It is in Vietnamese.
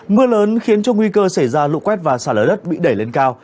mưa lớn khiến cho nguy cơ xảy ra lũ quét và xả lở đất bị đẩy lên cao